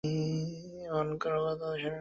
এমন কারো কথা তো কখনো শুনি নি।